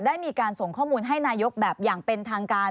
ได้มีการส่งข้อมูลให้นายกแบบอย่างเป็นทางการ